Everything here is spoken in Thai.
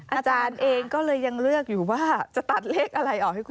อาจารย์เองก็เลยยังเลือกอยู่ว่าจะตัดเลขอะไรออกให้คุณ